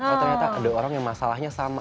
oh ternyata ada orang yang masalahnya sama